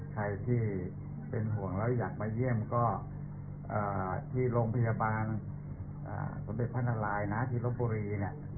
ใครที่เป็นห่วงแล้วอยากมาเยี่ยมก็ที่โรงพยาบาลสุริยภัณฑ์อาหารลายที่ล้อมปุรี